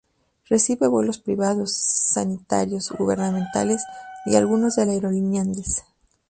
Recibe vuelos privados, sanitarios, gubernamentales y algunos de la aerolínea Andes.